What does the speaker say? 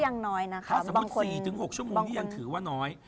ยังน้อยนะคะถ้าสมมุติ๔๖ชั่วโมงนี้ยังถือว่าน้อย